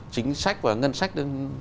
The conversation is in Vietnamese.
chính sách và ngân sách